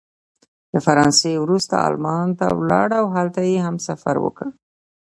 د فرانسې وروسته المان ته ولاړ او هلته یې هم سفر وکړ.